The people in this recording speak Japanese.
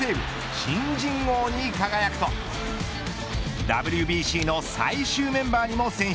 新人王に輝くとＷＢＣの最終メンバーにも選出。